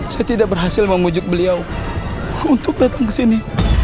saya tidak berhasil memujuk beliau untuk datang ke sini